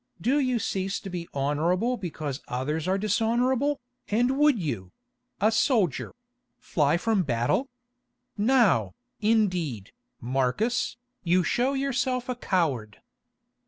Do you cease to be honourable because others are dishonourable, and would you—a soldier—fly from the battle? Now, indeed, Marcus, you show yourself a coward."